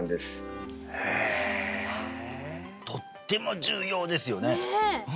とっても重要ですよね